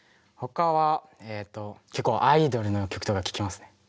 ほかはえっと結構アイドルの曲とか聴きますね。